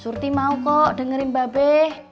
surti mau kok dengerin mbak be